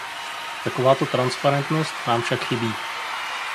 Takováto transparentnost nám však chybí.